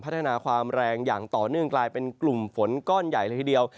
พัฒนาความแรงอย่างต่อเนื่องกลายเป็นกลุ่มฝนก้อนใหญ่เลยทีเดียว